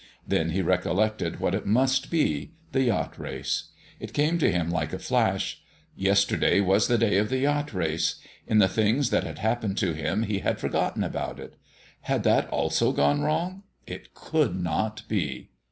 Then he recollected what it must be the yacht race. It came to him like a flash. Yesterday was the day of the yacht race. In the things that had happened to him he had forgotten about it. Had that also gone wrong? It could not be.